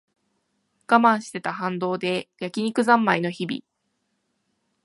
我慢してた反動で焼き肉ざんまいの日々